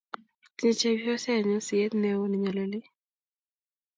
Tinye chepyosenyu siet ne yoo ne nyalil